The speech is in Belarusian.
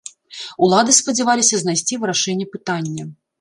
Улады спадзяваліся знайсці вырашэнне пытання.